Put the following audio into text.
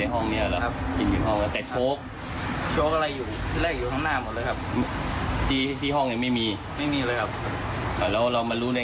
ไม่ผมก็ตื่นมาเพราะว่าทำไมเขาไม่ตื่นมาทำงานสักที